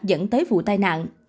dẫn tới vụ tai nạn